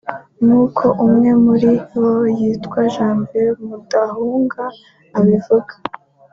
nkuko umwe muri bo witwa Janvier Mudahunga abivuga